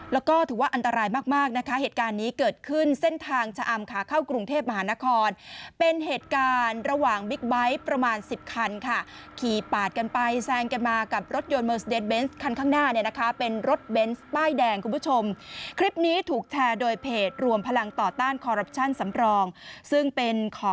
แล้วก็ถือว่าอันตรายมากมากนะคะเหตุการณ์นี้เกิดขึ้นเส้นทางชะอำขาเข้ากรุงเทพมหานครเป็นเหตุการณ์ระหว่างบิ๊กไบท์ประมาณสิบคันค่ะขี่ปาดกันไปแซงกันมากับรถยนต์เมอร์สเดทเบนส์คันข้างหน้าเนี่ยนะคะเป็นรถเบนส์ป้ายแดงคุณผู้ชมคลิปนี้ถูกแชร์โดยเพจรวมพลังต่อต้านคอรัปชั่นสำรองซึ่งเป็นขอ